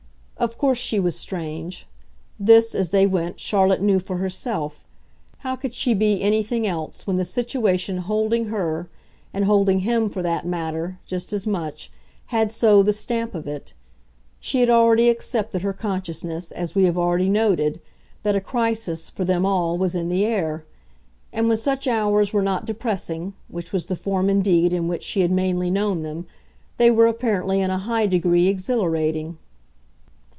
Of course she was strange; this, as they went, Charlotte knew for herself: how could she be anything else when the situation holding her, and holding him, for that matter, just as much, had so the stamp of it? She had already accepted her consciousness, as we have already noted, that a crisis, for them all, was in the air; and when such hours were not depressing, which was the form indeed in which she had mainly known them, they were apparently in a high degree exhilarating.